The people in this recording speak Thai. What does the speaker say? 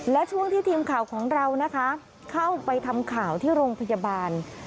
และช่วงที่ทีมข่าวของเรานะคะเข้าไปทำข่าวที่โรงพยาบาล